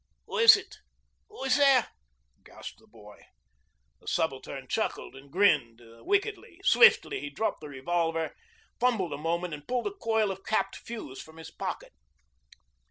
'Who is it? Who is there?' gasped the boy. The Subaltern chuckled, and grinned wickedly. Swiftly he dropped the revolver, fumbled a moment, and pulled a coil of capped fuse from his pocket.